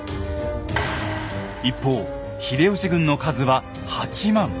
一方秀吉軍の数は８万。